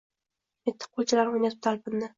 Mitti qo‘lchalarini o‘ynatib talpindi